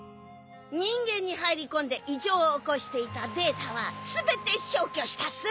人間に入り込んで異常を起こしていたデータは全て消去したっす。